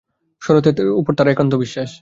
শরতের ওপর তাঁর একান্ত বিশ্বাস।